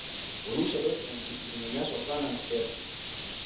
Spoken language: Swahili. borusia dortmund ilinyanyaswa sana na pep